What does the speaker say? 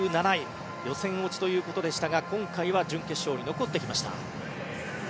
予選落ちということでしたが今回は準決勝に残ってきました。